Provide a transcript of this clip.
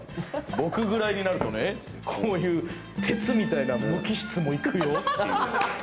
僕ぐらいになるとねって、こういう、鉄みたいな無機質もいくよみたいな。